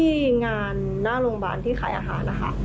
ที่งานหน้าโรงพยาบาลที่ขายอาหารนะคะ